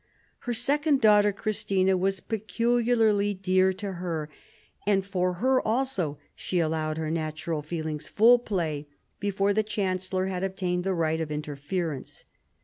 Her second daughter, Christina, was peculiarly dear to her, and for her also she allowed her natural feelings full play before the chancellor had obtained the right of interference.